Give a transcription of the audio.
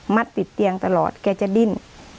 ติดเตียงตลอดแกจะดิ้น